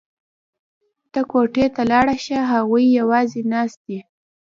ته کوټې ته لاړه شه هغوی یوازې ناست دي